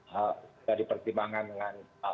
sudah dipertimbangkan dengan